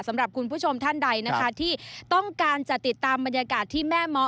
สำหรับคุณผู้ชมท่านใดนะคะที่ต้องการจะติดตามบรรยากาศที่แม่เมาะ